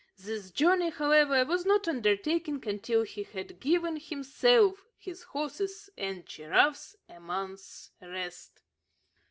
This journey, however, was not undertaken until he had given himself, his horses, and giraffes a month's rest.